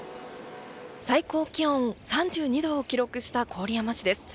最高気温３２度を記録した郡山市です。